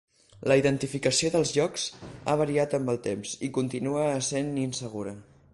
La identificació dels llocs ha variat amb el temps i continua essent insegura.